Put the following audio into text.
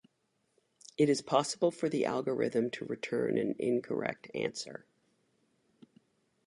It is possible for the algorithm to return an incorrect answer.